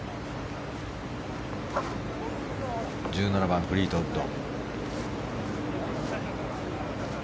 １７番、フリートウッド。